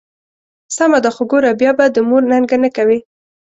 سمه ده، خو ګوره بیا به د مور ننګه نه کوې.